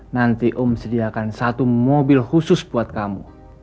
nanti om sediakan satu mobil khusus buat kamu